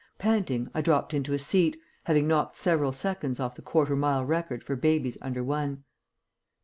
Panting, I dropped into a seat, having knocked several seconds off the quarter mile record for babies under one.